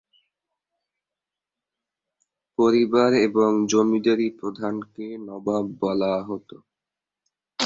পরিবার ও জমিদারির প্রধানকে "নবাব" বলা হতো।